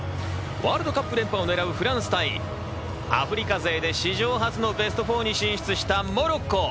ワールドカップ連覇を狙うフランス対アフリカ勢で史上初のベスト４に進出したモロッコ。